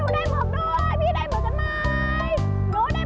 นี่ค่ะดูได้หมึกด้วยพี่ได้หมึกกันไหม